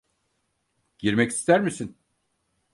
Girmek ister misin?